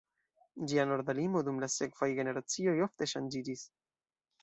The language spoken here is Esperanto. Ĝia norda limo dum la sekvaj generacioj ofte ŝanĝiĝis.